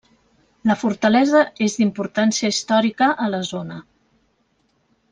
La fortalesa és d'importància històrica a la zona.